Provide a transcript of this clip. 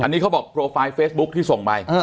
อันนี้เขาบอกโปรไฟล์เฟซบุ๊คที่ส่งไป